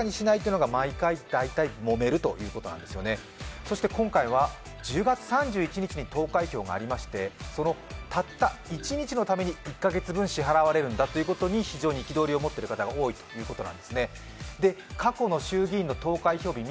そして今回は、１０月３１日に投開票がありましてたった一日のために１カ月分支払われることに憤りを持ってる方が多いんです。